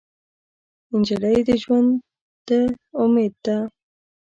نجلۍ د ژونده امید ده.